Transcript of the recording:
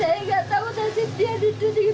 saya tidak tahu nasib dia tidur di mana